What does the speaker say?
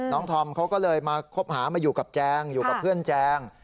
ธอมเขาก็เลยมาคบหามาอยู่กับแจงอยู่กับเพื่อนแจง